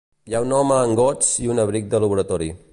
Hi ha un home en gots i un abric de laboratori